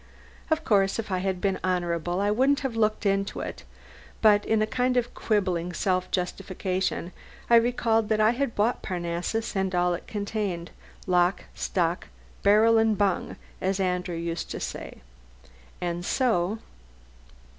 Of course if I had been honourable I wouldn't have looked into it. But in a kind of quibbling self justification I recalled that I had bought Parnassus and all it contained, "lock, stock, barrel and bung" as Andrew used to say. And so....